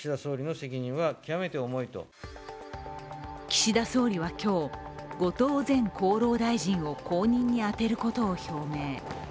岸田総理は今日、後藤前厚労大臣を後任に充てることを表明。